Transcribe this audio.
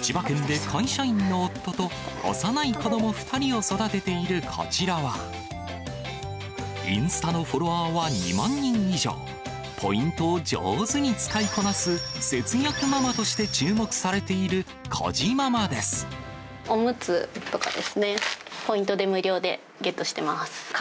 千葉県で会社員の夫と幼い子ども２人を育てているこちらは、インスタのフォロワーは２万人以上、ポイントを上手に使いこなす節約ママとして注目されているこじまおむつとかですね、ポイントで無料でゲットしてます。